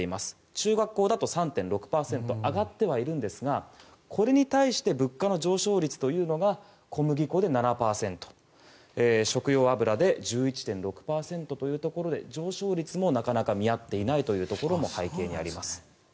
中学校だと３．６％上がってはいるんですがこれに対して物価の上昇率というのが小麦粉で７％、食用油で１１．６％というところで上昇率もなかなか見合っていないというところも背景にあります。